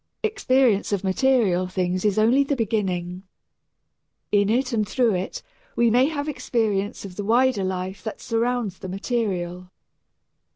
Experience of material things is only the beginning. In it and through it we may have experience of the wider life that surrounds the material.